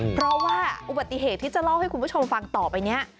เพราะว่าอุบัติเหตุที่จะเล่าให้คุณผู้ชมฟังต่อไปนี้